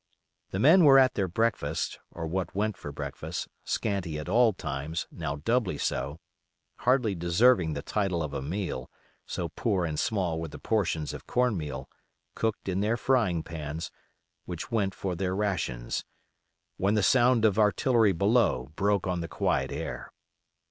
The men were at their breakfast, or what went for breakfast, scanty at all times, now doubly so, hardly deserving the title of a meal, so poor and small were the portions of cornmeal, cooked in their frying pans, which went for their rations, when the sound of artillery below broke on the quiet air.